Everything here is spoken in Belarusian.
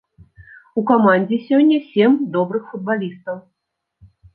У камандзе сёння сем добрых футбалістаў.